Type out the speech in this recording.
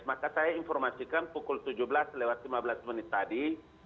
maka saya informasikan pukul tujuh belas lewat lima belas menit tadi